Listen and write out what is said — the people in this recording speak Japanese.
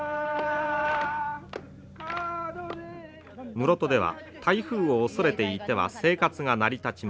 室戸では台風を恐れていては生活が成り立ちません。